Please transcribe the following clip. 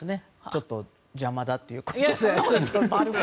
ちょっと邪魔だということで。